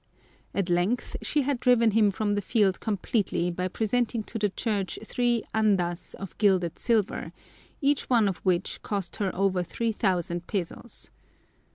At length, she had driven him from the field completely by presenting to the church three andas of gilded silver, each one of which cost her over three thousand pesos.